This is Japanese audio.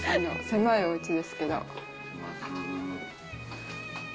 狭いおうちですけど。